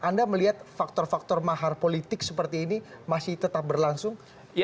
anda melihat faktor faktor mahar politik seperti ini masih tetap berlangsung